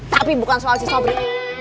tapi bukan soal sobri